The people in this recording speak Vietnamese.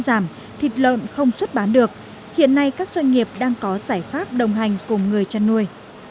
giảm thịt lợn không xuất bán được hiện nay các doanh nghiệp đang có giải pháp đồng hành cùng người chăn nuôi